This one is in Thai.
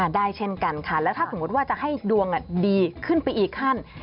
ได้เช่นกันค่ะแล้วถ้าสมมุติว่าจะให้ดวงดีขึ้นไปอีกขั้น